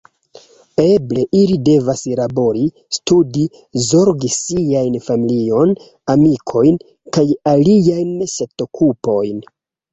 Eble ili devas labori, studi, zorgi sian familion, amikojn kaj aliajn ŝatokupojn.